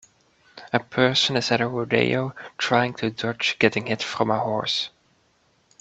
A person is at a rodeo trying to dodge getting hit from a horse.